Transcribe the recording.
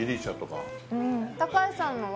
高橋さんのは？